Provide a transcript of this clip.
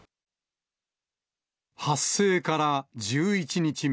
発生から１１日目。